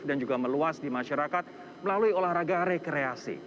dan juga meluas di masyarakat melalui olahraga rekreasi